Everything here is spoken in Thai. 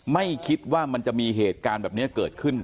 ไม่คิดว่ามันจะมีเหตุการณ์แบบนี้เกิดขึ้น